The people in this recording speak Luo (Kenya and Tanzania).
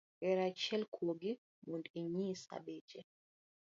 Yier achiel kuogi mondo anyisi beche?